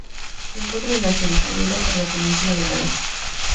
Se encuentra en Asia, distribuida por la península de Malaca.